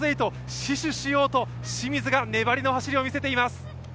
死守しようと清水が粘りの走りを見せています。